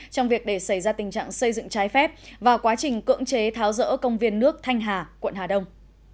trong việc để xảy ra tình trạng xây dựng trái phép và quá trình cưỡng chế tháo rỡ công viên nước thanh hà quận hà đông